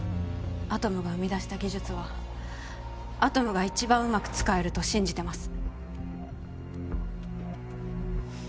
アトムが生み出した技術はアトムが一番うまく使えると信じてます